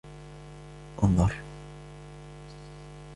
انظر.